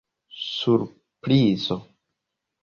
Surprizo.